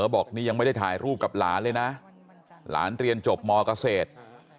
บอกนี่ยังไม่ได้ถ่ายรูปกับหลานเลยนะหลานเรียนจบมเกษตร